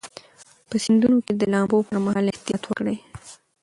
په سیندونو کې د لامبو پر مهال احتیاط وکړئ.